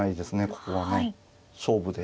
ここはね勝負で。